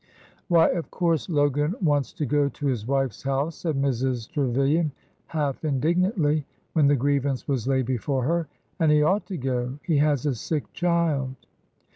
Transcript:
Why, of course Logan wants to go to his wife's house," said Mrs. Trevilian, half indignantly, when the grievance was laid before her. '' And he ought to go. He has a sick child."